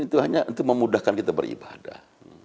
itu hanya untuk memudahkan kita beribadah